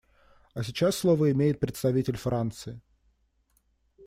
А сейчас слово имеет представитель Франции.